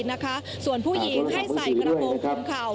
นะคะส่วนผู้หญิงให้ใส่กระโปรงคุมเข่า